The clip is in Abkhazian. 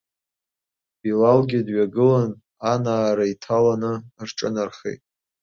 Билалгьы дҩагылан, анаара иҭаланы рҿынархеит.